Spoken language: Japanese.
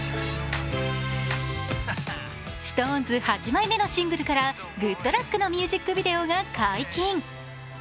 ＳｉｘＴＯＮＥＳ８枚目のシングルから、「ＧｏｏｄＬｕｃｋ！」のミュージックビデオが解禁。